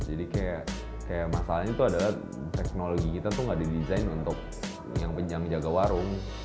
jadi kayak masalahnya tuh adalah teknologi kita tuh gak didesain untuk yang menjaga warung